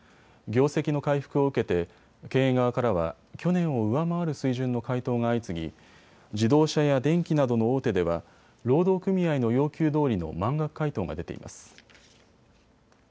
業績の回復を受けて経営側からは去年を上回る水準の回答が相次ぎ自動車や電機などの大手では労働組合の要求どおりの満額回答が出ています。